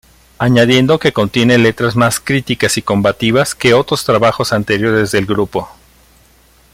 Añadiendo que contiene letras más críticas y combativas que otros trabajos anteriores del grupo.